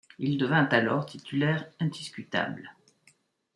Il devint alors titulaire indiscutable.